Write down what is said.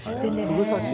ふぐ刺し。